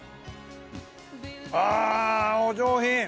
あぁお上品。